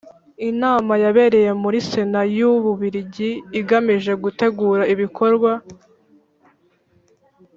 Inama yabereye muri Sena y Ububiligi igamije gutegura ibikorwa